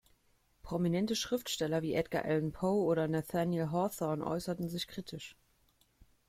Prominente Schriftsteller wie Edgar Allan Poe oder Nathaniel Hawthorne äußerten sich kritisch.